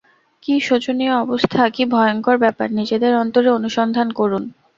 কি শোচনীয় অবস্থা! কি ভয়ঙ্কর ব্যাপার! নিজেদের অন্তরে অনুসন্ধান করুন।